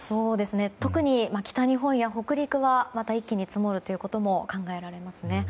特に北日本や北陸はまた一気に積もることも考えられますね。